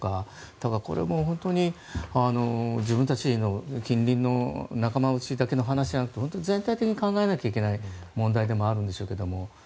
だから、これも本当に自分たちの近隣の仲間内だけの話じゃなくて全体的に考えなきゃいけない問題でもあるんでしょうけど。